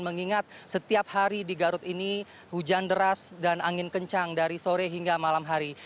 mengingat setiap hari di garut ini hujan deras dan angin kencang dari sore hingga malam hari